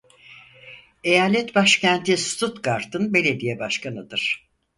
Eyalet başkenti Stuttgart'ın belediye başkanıdır.